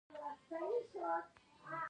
افغانستان کې د یورانیم په اړه زده کړه کېږي.